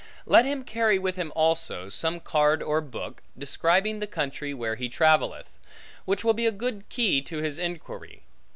Let him carry with him also, some card or book, describing the country where he travelleth; which will be a good key to his inquiry.